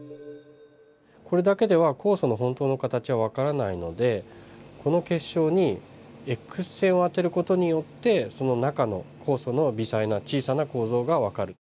これだけでは酵素の本当の形はわからないのでこの結晶にＸ線を当てる事によってその中の酵素の微細な小さな構造がわかる。